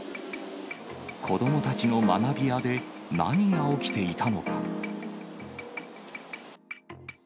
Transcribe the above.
子どもたちの学びやで何が起きていたのか。